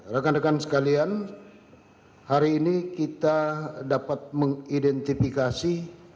rekan rekan sekalian hari ini kita dapat mengidentifikasi